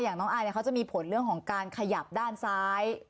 น้องอายเขาจะมีผลเรื่องของการขยับด้านซ้าย